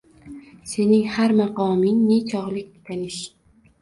Sening har maqoming — nechog’liq tanish!